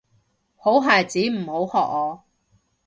好孩子唔好學我